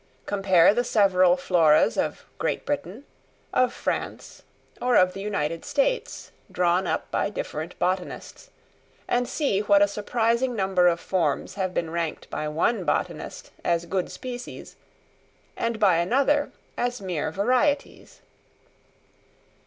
Compare the several floras of Great Britain, of France, or of the United States, drawn up by different botanists, and see what a surprising number of forms have been ranked by one botanist as good species, and by another as mere varieties.